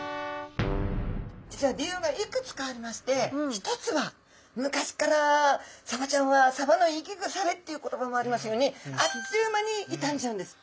実は理由がいくつかありまして１つは昔からサバちゃんは「サバの生き腐れ」っていう言葉もありますようにあっという間に傷んじゃうんです。